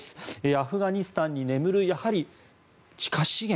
アフガニスタンに眠る地下資源。